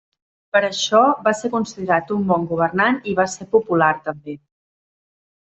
Per això, va ser considerat un bon governant i va ser popular també.